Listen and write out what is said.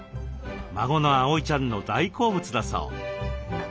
孫の碧ちゃんの大好物だそう。